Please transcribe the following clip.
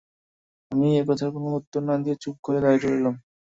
আমি এ কথার কোনো উত্তর না দিয়ে চুপ করে দাঁড়িয়ে রইলুম।